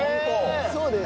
そうです。